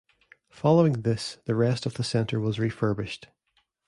Following this the rest of the centre was refurbished.